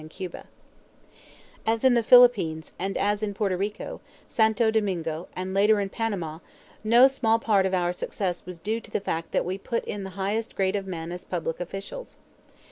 In Cuba, as in the Philippines and as in Porto Rico, Santo Domingo, and later in Panama, no small part of our success was due to the fact that we put in the highest grade of men as public officials.